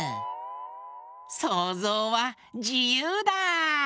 そうぞうはじゆうだ！